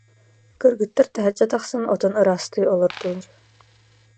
Кыргыттар таһырдьа тахсан отон ыраастыы олордулар